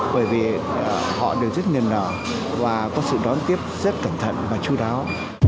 bởi vì họ đều rất nghiêm đỏ và có sự đón tiếp rất cẩn thận và chú đáo